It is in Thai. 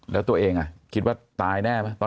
แล้วตัวเองคิดว่าตายแน่ป่ะ